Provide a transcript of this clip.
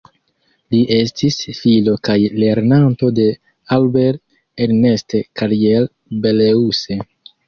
Li estis filo kaj lernanto de Albert-Ernest Carrier-Belleuse.